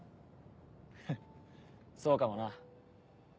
ハッそうかもな。